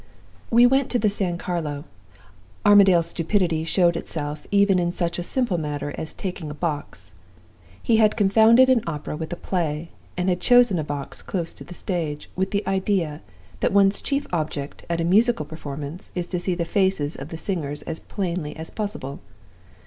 "We went to the San Carlo. Armadale's stupidity showed itself, even in such a simple matter as taking a box. He had confounded an opera with a play, and had chosen a box close to the stage, with the idea that one's chief object at a musical performance is to see the faces of the singers as plainly as possible!